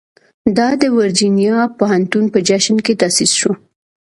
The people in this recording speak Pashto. دا د ورجینیا پوهنتون په جشن کې تاسیس شو.